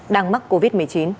đang mắc covid một mươi chín